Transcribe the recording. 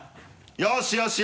よしよし！